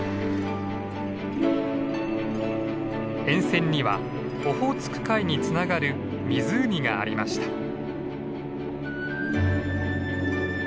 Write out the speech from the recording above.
沿線にはオホーツク海につながる湖がありました。